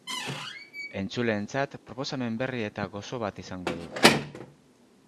Entzuleentzat proposamen berri eta gozo bat izango du.